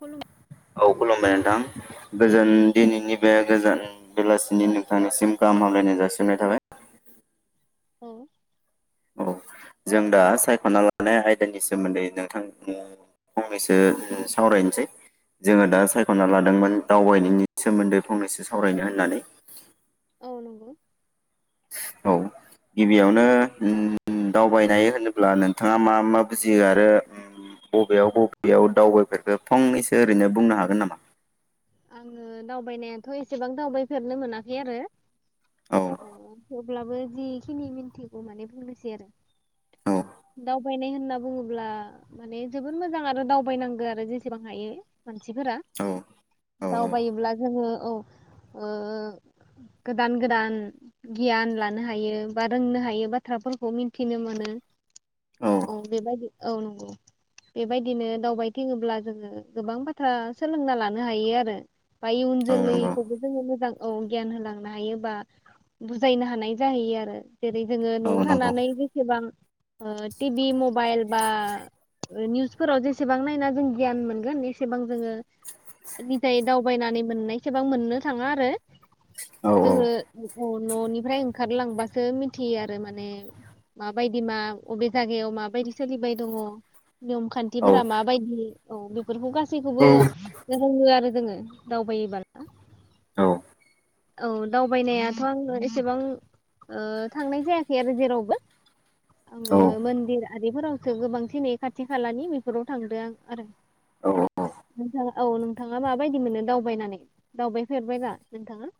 खुलुमबाय औ खुलुमबाय नोंथां। गोजोन दिनैनि बे गोजोन बेलासिनि नोंथांनिसिम गाहाम हामलायनाय जासिहरनाय थाबाय। औ औ जों दा सायख'ना लानाय आयदानि सोमोन्दै नोंथांनो फंनैसो सावरायनोसै जोङो दा साय खना लादोंमोन दावबायनायनि। सोमोन्दै फंनैसो सावरायनो होननानै। औ नंगौ औ गिबियावनो दावबायनाय होनोब्ला नोंथाङा मा मा बुजियो आरो बबेयाव बबेयाव दावबायफेरखो फंनैसो ओरैनो बुंनो हागोन नामा आङो दावबायनायाथ' एसेबां दावबायफेरनो मोनाखै आरो औ अ अब्लाबो जिखिनि मिनथिगौ माने बुंनोसै आरो औ दावबायनाय होनना बुङोब्ला माने जोबोद मोजां आरो दावबायनांगौ आरो जेसेबां हायो। मानसिफोरा औ औ दावबायोब्ला जोङो औ ओ गोदान गोदान गियान लानो हायो बा रोंनो हायो बाथ्राफोरखौ मिन्थिनो मोनो औ बेबायदि औ नंगौ बेबायदिनो दावबायथिङोब्ला जोङो गोबां बाथ्रा सोलोंना ला लानो हायो आरो बा इयुन औ नंगौ जोलैखौबो जोङो मोजां। औ गियान होलांनो हायोबा बुजायनो हानाय जाहैयो आरो। जेरै जोङो औ न'आव नंगौ थानानै जेसेबां ओ टिभि मबाइल बा निउसफोराव जेसेबां नायना जों गियान मोनगोन एसेबां जोङो निजायै दावबायनानै मोननायसेबां मोननो थाङा आरो औ जोङो न'निफ्राय ओंखारलांबासो मिथियो आरो माने माबायदि मा अबे जायगायाव माबायदि सोलिबाय दङ नियम खान्थिफोरा माबायदि? औ बेफोरखौ गासैखौबो। रोङो आरो जोङो दावबायोबा। औ दावबायनायाथ' आङो एसेबां थांनाय जायाखै आरो जेरावबो औ आङो मन्दिर आरिफोरावसो गोबांसिन नै खाथि खालानि बेफोराव थांदो आं आरो नोंथाङा औ नोंथाङा माबायदि मोनो दावबायनानै दावबायफेरबायबा नोंथाङा।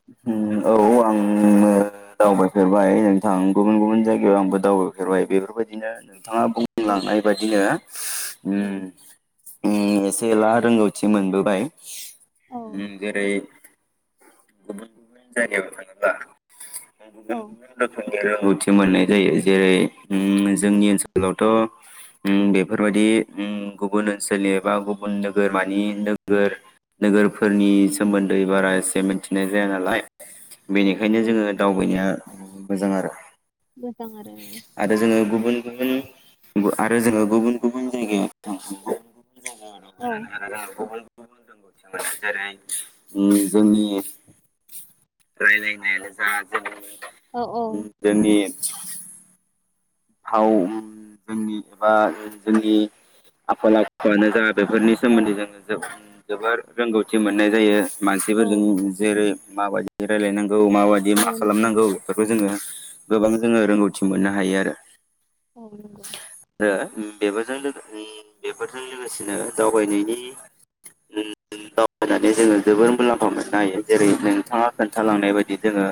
फेरबाय नोंथां। गुबुन गुबुन जायगायाव आंबो दावबायफेरबाय बे फोरबायदिनो थाङा औ बुंलांनाय बायदिनो औ उम। उम एसे एला रोंगौथि मोनबोबाय औ जेरै। गुबुन गुबुन जायगायाव थाङोब्ला [unintelligible] औ रोखोमनि रोंगौथि मोननाय जायो जेरै औ जोंनि ओनसोलावथ'। उम बेफोरबायदि उम गुबुन ओनसोलनि एबा गुबुन नोगोरमानि नोगोर नोगोर फो फोरनि सोमोन्दै बारा जे मिन्थिनाय जाया नालाय औ बेनिखायनो नंगौ जोङो दावबायनाया मोजां आरो मोजां आरो आरो जोङो [unintelligible] आरो जोङो गुबुन-गुबुन जायगायाव औ [unintelligible] गुबुन [unintelligible] जेरै जोंनि रायलानायानो जा औ औ जोंनि [inaudible] जोंनि फाव उम जोंनि एबा जोंनि आखल आखुआानो जा बेफोरनि औ सोमोन्दै जोङो जो जोबोर रोंगौथि मोननाय जायो। औ मानसिफोरजों नंगौ जेरै माबायदि रायलायनां औ माबायदि औ मा नंगौ खालामनांगौ नंगौ बेफोरखौ जोङो गोबां जोङो रोंगौथि मोननो हायो आरो औ नोंगौ। ओ बेफोरजों ओ बेफोरजों लोगोसेनो दावबायनायनि, ओ दावबायनानै जोङो जोबोर मुलाम्फा मोननो हायो। जेरै जों थाङा खोन्थालांनाय बायदि जोङो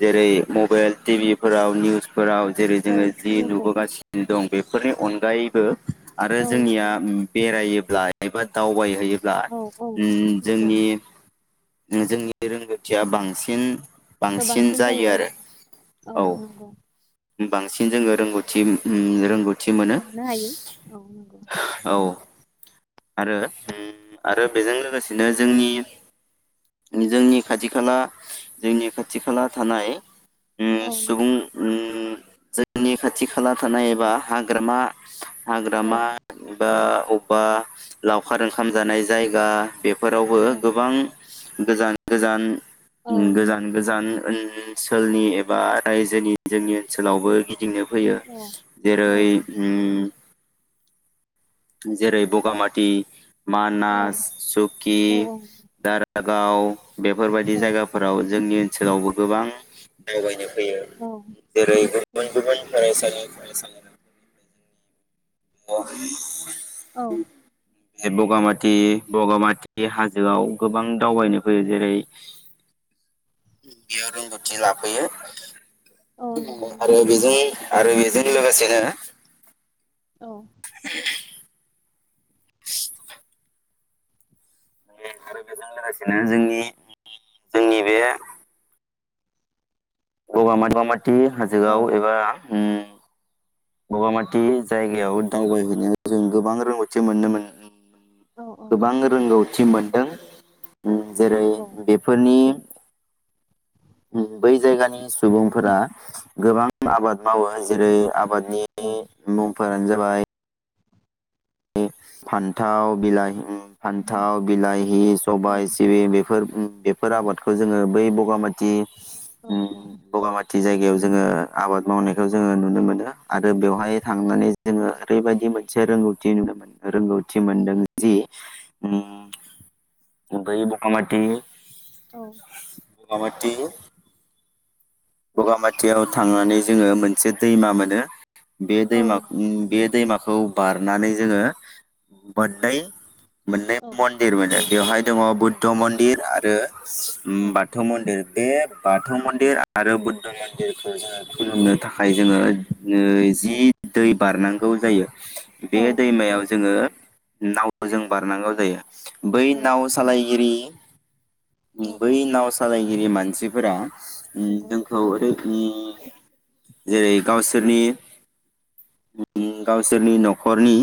जेरै मबाइल, टि भि फोराव निउस फोराव जेरै औ जोङो जि नंगौ नुबोगासिनो दं बेफोरनि अनगायैबो आरो औ जोंनिया नंगौ बेरायो लायोबा दावबायो। हैयोब्ला औ औ ओम नंगौ जोंनि जोंनि रोंगौथिया बांसिन गोबांसिन जायो औ औ नोंगौ। बांसि न जोङो रोंगौथि ओम रोंगौ थि मोनो मोननो हायो औ नंगौ औ। आरो उम आरो बेजों लोगोसेनो जोंनि जोंनि खाथि खाला जोंनि खाथि खाला थानाय। उम औ सुबुं नंगौ उम आंनि खाथि खाला थानाय एबा हाग्रामा औ हाग्रामा बा अबा लावखार ओंखाम जानाय जायगा बेफोरावबो औ गोबां गोजान गोजान औ उम नंगौ गोजान गोजान ओन ओनसोलनि एबा रायजोनि जोंनि ओनसोलावबो। [unintelligible] होयो औ औ जेरै उम जेरै बगामाथि औ मानास सुकि औ दारागाव बेफोरबायदि औ जायगाफोराव जोंनि ओनसोलावबो गोबां दावबायनो। होयो जेरै गुबुन गुबुन फरायसालि फरायसालि। [unintelligible] औ बे बगामाथि बगामाथि हाजोआव गोबां दावबायनो फैयो जेरै बेयाव रोंगौथि लाफैयो औ नंगौ औ नंगौ नंगौ आरो बेजों आरो बेजों लोगोसेनो। [inaudible] औ आरो बेजों लोगोसेनो जोंनि जोंनि बे बगामाथि औ हाजोआव एबा। उम। बगामाथि जायगायाव दावबायहैनायाव जों गोबां रोंगौथि मोननो मोन उम। औ औ गोबां रोंगौ। थि मोनदों। उम जेरै बेफोरनि उम बै जायगानि सुबुंफोरा गोबां आबाद मावो जेरै आबा बादनि औ मुं फोरानो जाबाय फान्थाव बिलाहि। फान्थाव बिलाहि सबाइ औ सिबिं बेफोर उम बेफोर आबादखौ जोङो बै बगामाथि। ओम बगामाथि जायगायाव जोङो आबाद मावनायखौ जोङो नुनो मोनो आरो बेवहाय। थांनानै जोङो ओरैबायदि मै। से रोंगो। थि नुनो मोन रोंगौथि मोनदों जि उम बै बगामाथि औ बगामाथि। बगामाथियाव थांनानै जोङो मोनसे दैमा मोनो। बे नंगौ दैमाखो उम बे दैैमा खौ बारनानै जोङो बोद दै मोननै औ मन्दिर मोनो बेवहाय। दङ बुद्ध मन्दिर आरो। उम औ बाथौ मन्दिर बे बाथौ मन्दिर। आरो बुद्ध मन्दिरखौ जोङो खुलुमनो थाखाय जोङो। औ नैजि दै। बारनांगौ जायो। औ बे दैमायाव जोङो। नाव जों बारनांगौ जायो। बै औ नाव सालायगिरि औ औ बै नाव सालायगिरि मान। सिफोरा। ओम नंगौ जोंखौ ओरै। ओम जेरै गावसोरनि ओम गावसोरनि न'खरनि।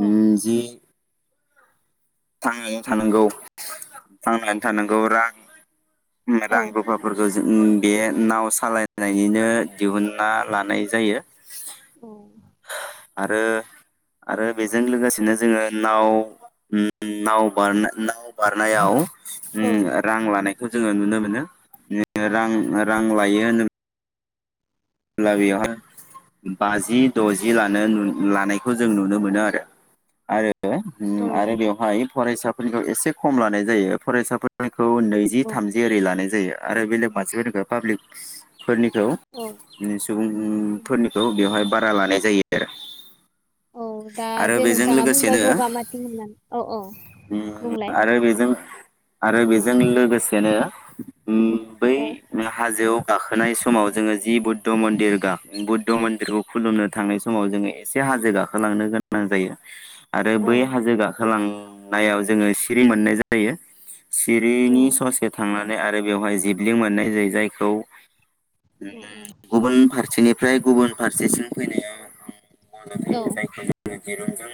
ओम जि। थांनानै थानांगौ थांनानै थानांगौ रां ओम औ रां रुफा फोरखौ। ओम बे नाव सालायनायनिनो दिहुनना लानाय जायो। औ। आरो आरो बेजों लोगोसेनो जोङो नाव ओम। ओम नाव बारना नाव बारनायाव। औ ओम रां लानाय। खौ जोङो नुनो मोनो ओम रां रां लायो होन। ला औ बियोयावहाय। बाजि द'जि लानो लानायखौ जों नुनो मोनो आरो आरो। औ रो आरो बेवहाय फरायसा फोरनिखौ एसे खम लानाय जायो फरायसाफोर [unintelligible] खौ नैजि नंगौ थामजि ओरै लानाय जायो। आरो बेलेग मानसिफोरनिखौ पाब्लिक फोरनिखौ सुबुंफोरनिखौ बेवहाय बारा लानाय जायो आरो। औ दा आरो जे बेजों नोंथाङा लोगोसेनो बुंबाय बगामाथि होननानै औ औ ओम बुंलाय आरो बेजों आरो बेजों लोगोसेनो ओम बै औ हाजोआव गाखोनाय समाव जोङो जि बुद्ध मन्दिर दा बुद्ध मन्दिरखौ खुलुमनो थांनाय समाव जोङो एसे हाजो गाखोलांनो गोनां जायो आरो औ बै हाजो गाखोलां नायाव जोङो सिरि मोननाय जायो। औ सिरिनि ससे थांना नै आरो बेवहाय जिबलिं मोननाय जायो जायखौ औ गुबुन फार सेनिफ्राय गुबुन फारसेसिम फैनाया उम मदद औ होयो जायखौ जोंङो दिरुंजों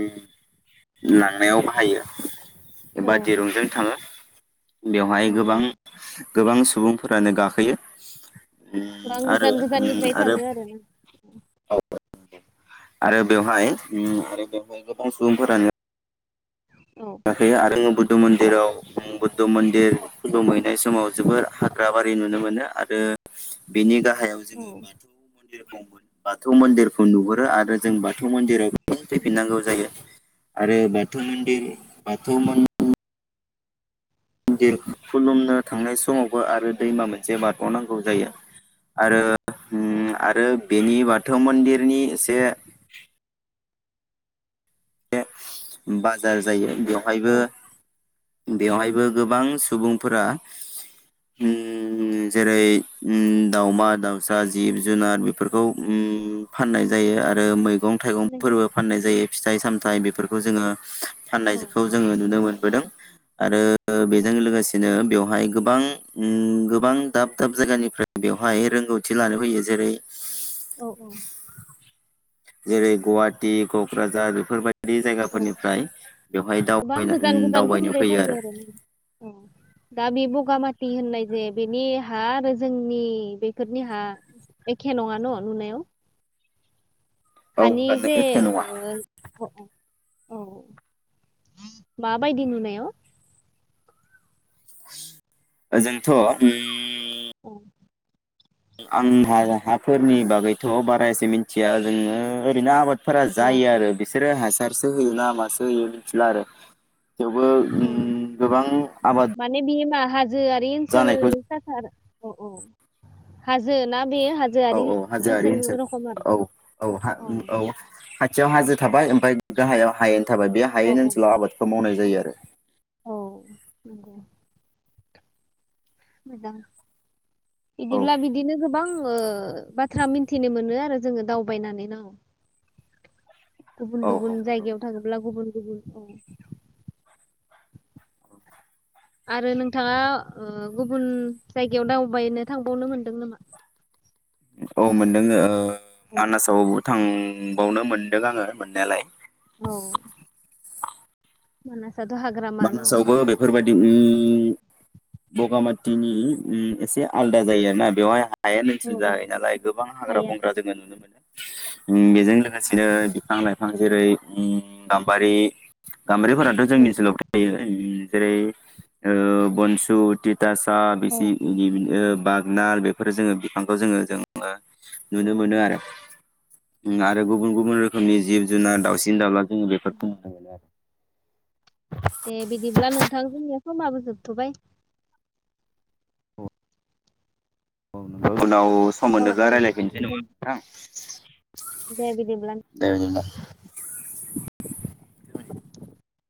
ओम ला थांनायाव बाहायो‌। औ एबा दिरुंजों थाङो। बेवहाय गोबां गोबां सुबुंफोरानो गाखोयो। उम गोबां आरो गोजान उम गोजाननिफ्राय आरो थाङो आरोना आरो बेवहाय आरो बेवहाय गोबां सुबुंफोरानो औ गाखोयो आरो आङो बुद्ध मन्दिराव बुद्ध मन्दिर खुलुमहैनाय समाव जोबोर हाग्रा बारि नुनो मोनो आरो बेनि गाहा हायाव औ जोङो बाथौ ख बाथौ मन्दिरखौ नुहुरो आरो जों बाथौ मन्दिराव। फैफिननांगौ जायो। आरो बेत थमनदि औ खौमन खुलुमनो थांनाय समाव बो आरो औ दैमा मोनसे बाथ बावनांगौ जायो आरो उम औ आरो बेनि बाद थौ मन्दिरनि एसे बाजार बेवहायबो बेवहायबो गोबां सुबुंफोरा उम जेरै उम दावमा दावसा जिब जुनार बेफोरखौ उम फाननाय जायो आरो मै गं थाइगं फोरबो फाननाय जायो। फिथाइ सामथाइ बेफोर बो जोंङो फाननायखौ जों आरो बेजों लोगोसेनो बेवहाय गोबां उम गोबां दाब दाब जायगानिफ्राय बेवहाय रोंगौथि लानो फैयो जेरै औ औ जेरै गुवाहाटि, क'क्राझार बेफोरबायदि जायगा औ फोरनिफ्राय बेवहाय गोबां दावबायनो गोजान उम दावबायनो गोजानफोरनिफ्राय फैयो आरो औ दा बे बगामाथि होननाय जे बेनि हा आरो जोंनि बेफोरनि हा एखे नङा न नुनायाव। औ हानि जे एखे नङा ओ औ माबायदि नुनायाव ओजोंथ उम औ उम्म आं हा हाफोरनि बागैथ बारा एसे मिथिया जोङो ओरैनो आबाद। फोरा औ जायो आरो बिसोरो हास फारसो होयो ना मासो होयो मिथिला आरो। थेवबो औ उम गोबां आबाद। जोयारि ओनसोल जानायखौ थाखार औ औ हाजो ना बे औ हाजोआरि औ हाजोयारि ओनसोल रखम आरो औ औ हा उम औ। जों हाजो थाबाय ओमफ्राय गाहायाव हायेन। थाबाय बे हाय औ औ ओनसोलाव आबादखौ मावनाय। दै आरो औ नंगौ मोजां औ बिदिब्ला बिदिनो गोबां ओ बाथ्रा मिनथिनो मोनो आरो जोङो दावबायनानै ना गुबुन औ गुबुन नंगौ जायगायाव थाङोब्ला गुबुन। गुबुन औ आरो नोंथाङा गुबुन जायगायाव दावबायनो थांबावनो मोनदों नामा औ मोनदों ओ औ मानासावबो थां बावनो मोनदों आङो मोननायालाय औ [unintelligible] हाग्रामा न'? मानासावबो बेफोरबायदि ओम उम बगामाथिनि उम एसे आलादा जायो आरोना बेवहाय हायेन औ ओसोल औ जाहैयो नालाय गोबां हाग्रा हायेन बंग्रा जोङो नुनो मोनो बेजों औ लोगोसेनो बिफां लाइफां जेरै उम गामबारि गामबारिफोराथ औ जोंनि ओनसोलावबो जेरै बनसु औ औ [unintelligible] नाल बेफोरो जोङो बिफांखौ जोङो जोङो नुनो मोनो औ आरो। आरो गुबुन गुबुन रोखोमनि जिब जुनार दाउसिन दाउला जोङो उ बेफोरखौ नुनो मोनो आरो दे बिदिब्ला नोंथां जोंनिया समाबो जोबथ'बाय। औ नंगौ। उनाव सम औ मोनोब्ला औ रायज्लायफिनसै नङा जोबथ'बाय नोंथां [inaudible] दे बिदिब्ला नो दे बिदिब्ला [unintelligible]